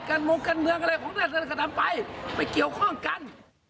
มงการเมืองอะไรของท่านก็ทำไปไปเกี่ยวข้องกัน